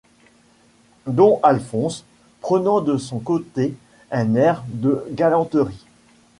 Don Alphonse, prenant de son côté un air de galanterie.